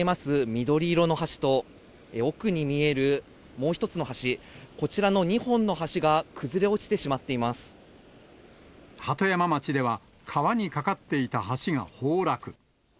緑色の橋と、奥に見えるもう一つの橋、こちらの２本の橋が崩れ落ちてしまって鳩山町では、川に架かっていた橋が崩落。